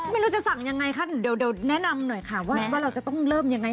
ไม่รู้จะสั่งยังไงคะเดี๋ยวแนะนำหน่อยค่ะว่าเราจะต้องเริ่มยังไง